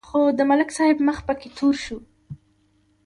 خو د ملک صاحب مخ پکې تور شو.